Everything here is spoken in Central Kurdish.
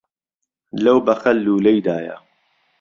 لهو بهخهل لوولهیدایه